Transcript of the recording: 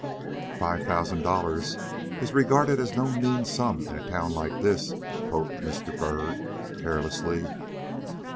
"Five thousand dollars is regarded as no mean sum in a town like this," quoth Mr. Byrd, carelessly.